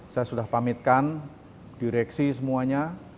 saya sudah pamitkan direksi semuanya